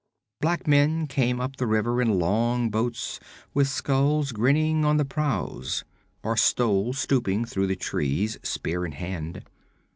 Black men came up the river in long boats with skulls grinning on the prows, or stole stooping through the trees, spear in hand.